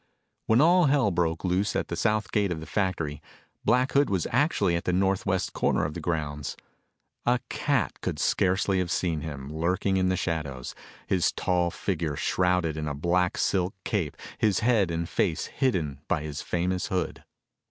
When all hell broke loose at the south gate of the factory, Black Hood was actually at the north west corner of the grounds. A cat could scarcely have seen him, lurking in the shadows, his tall figure shrouded in a black silk cape, his head and face hidden by his famous hood.